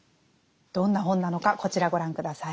どんな本なのかこちらご覧下さい。